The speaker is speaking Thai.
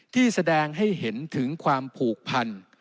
ที่แสดงให้เห็นถึงความผูกพัน